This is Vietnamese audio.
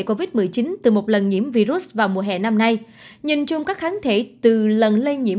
covid một mươi chín từ một lần nhiễm virus vào mùa hè năm nay nhìn chung các kháng thể từ lần lây nhiễm